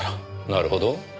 なるほど。